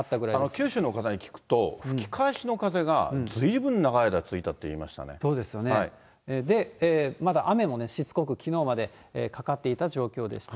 九州の方に聞くと、吹き返しの風がずいぶん長い間、そうですよね。まだ雨もしつこく、きのうまでかかっていた状況です。